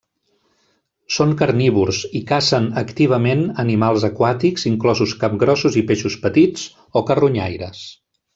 Són carnívors i cacen activament animals aquàtics, inclosos capgrossos i peixos petits, o carronyaires.